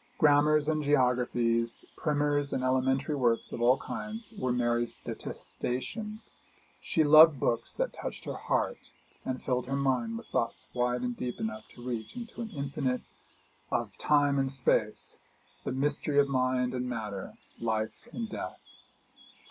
Grammars and geographies, primers and elementary works of all kinds, were Mary's detestation; but she loved books that touched her heart and filled her mind with thoughts wide and deep enough to reach into the infinite of time and space, the mystery of mind and matter, life and death.